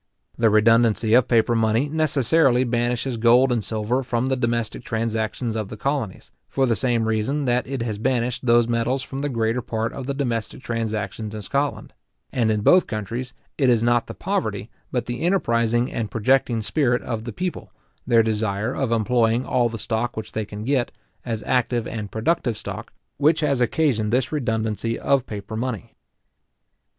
The redundancy of paper money necessarily banishes gold and silver from the domestic transactions of the colonies, for the same reason that it has banished those metals from the greater part of the domestic transactions in Scotland; and in both countries, it is not the poverty, but the enterprizing and projecting spirit of the people, their desire of employing all the stock which they can get, as active and productive stock, which has occasioned this redundancy of paper money.